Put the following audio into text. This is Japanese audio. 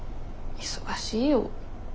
忙しいよ。